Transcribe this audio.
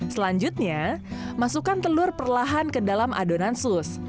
selanjutnya masukkan telur perlahan ke dalam adonan sus